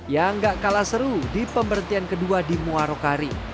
yang gak kalah seru di pemberhentian kedua di muarokari